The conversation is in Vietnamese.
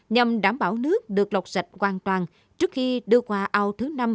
nhằm đảm bảo nước được lọc sạch hoàn toàn trước khi đưa qua ao thứ năm